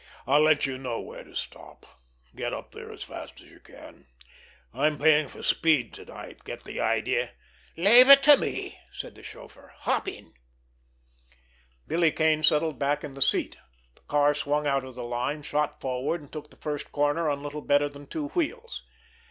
"I'll let you know where to stop. Get up there as fast as you can. I'm paying for speed to night. Get the idea?" "Leave it to me!" said the chauffeur. "Hop in!" Billy Kane settled back in the seat. The car swung out of the line, shot forward, and took the first corner on little better than two wheels.